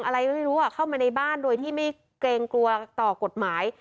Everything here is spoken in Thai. อะไรไม่รู้เข้ามาในบ้านโดยที่ไม่เกรงกลัวต่อกฎหมาย